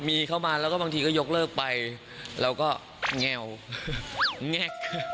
มีเข้ามาแล้วก็บางทีก็ยกเลิกไปเราก็แงวแงก